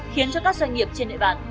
khiến cho các doanh nghiệp trên địa bàn